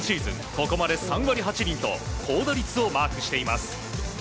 ここまで３割８厘と高打率をマークしています。